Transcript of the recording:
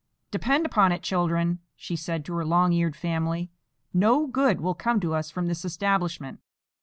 "Depend upon it, children," she said to her long eared family, "no good will come to us from this establishment.